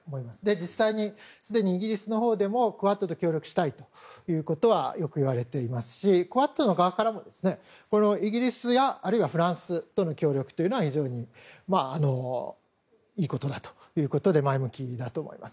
実際にすでにイギリスのほうでもクアッドと協力したいというのはよくいわれていますしクアッドの側からも、イギリスやあるいはフランスとの協力は非常にいいことだということで前向きだと思います。